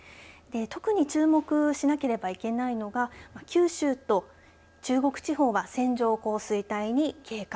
特に注目しなければいけないのが九州と中国地方は線状降水帯に警戒。